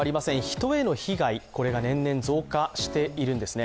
人への被害が年々増加しているんですね。